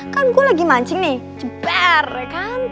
kan gue lagi mancing nih jeber ya kan